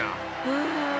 うん。